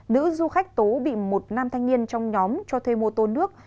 nữ du khách tố bị một nam thanh niên trong nhóm cho thuê mô tô nước